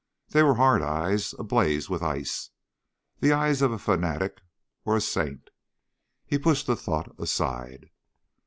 They were hard eyes, ablaze with ice ... the eyes of a fanatic or a saint. He pushed the thought aside.